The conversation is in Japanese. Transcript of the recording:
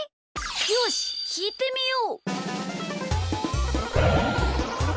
よしきいてみよう！